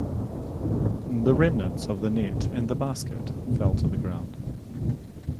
The remnants of the net and the basket fell to the ground.